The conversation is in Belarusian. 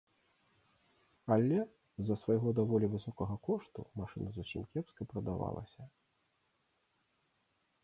Але з-за свайго даволі высокага кошту машына зусім кепска прадавалася.